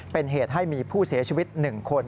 เป็นเหตุให้มีผู้เสียชีวิต๑คน